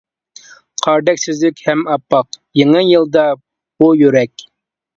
قاردەك سۈزۈك ھەم ئاپئاق، يېڭى يىلدا بۇ يۈرەك.